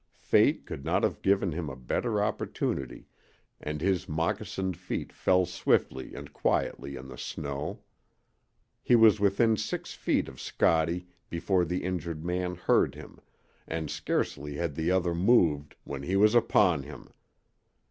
Fate could not have given him a better opportunity, and his moccasined feet fell swiftly and quietly in the snow. He was within six feet of Scottie before the injured man heard him, and scarcely had the other moved when he was upon him.